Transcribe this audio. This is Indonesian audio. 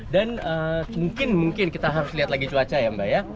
dan mungkin mungkin kita harus lihat lagi cuaca ya mbak ya